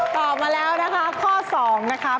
ตอบมาแล้วนะคะข้อ๒นะคะ